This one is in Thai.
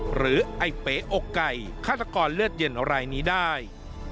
หรือไอ้เป๋อกไก่ฆาตกรเลือดเย็นรายนี้ได้